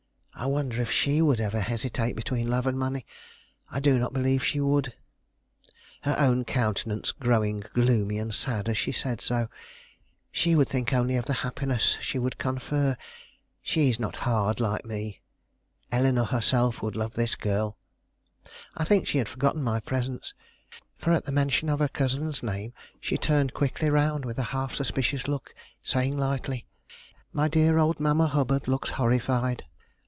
I wonder if she would ever hesitate between love and money. I do not believe she would," her own countenance growing gloomy and sad as she said so; "she would think only of the happiness she would confer; she is not hard like me. Eleanore herself would love this girl." I think she had forgotten my presence, for at the mention of her cousin's name she turned quickly round with a half suspicious look, saying lightly: "My dear old Mamma Hubbard looks horrified.